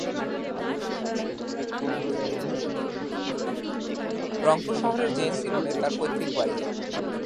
রংপুর শহরের J N C road তার পৈতৃক বাড়ি।